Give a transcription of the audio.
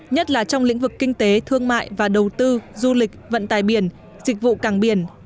nhất là trong lĩnh vực kinh tế thương mại và đầu tư du lịch vận tài biển dịch vụ cảng biển